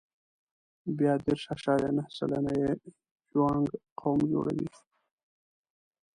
بیا دېرش اعشاریه نهه سلنه یې جوانګ قوم جوړوي.